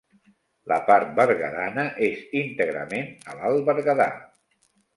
La part berguedana és íntegrament a l’alt Berguedà.